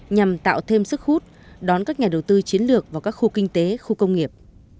nhằm tạo thêm sức hút đón các nhà đầu tư chiến lược vào các khu kinh tế khu công nghiệp